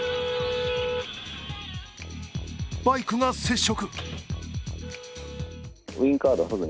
バイクが接触。